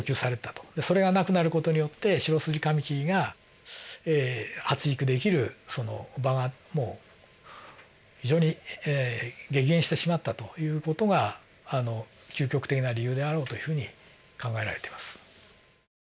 それがなくなる事によってシロスジカミキリが発育できる場がもう非常に激減してしまったという事が究極的な理由であろうというふうに考えられています。